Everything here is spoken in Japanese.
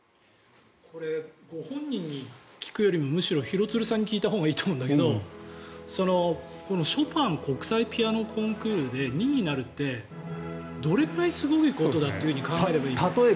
これ、ご本人に聞くよりもむしろ廣津留さんに聞いたほうがいいと思うんだけどショパン国際ピアノコンクールで２位になるってどれぐらいすごいことだって考えればいいの？